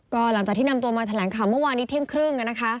ก็หลังจากที่นำตัวมาแถลงข่าวเมื่อวานนี้เที่ยงครึ่ง